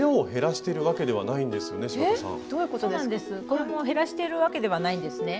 これも減らしてるわけではないんですね。